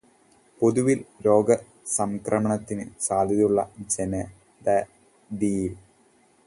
പൊതുവിൽ രോഗസംക്രമത്തിനു സാധ്യതയുള്ള ജനതതിയിൽ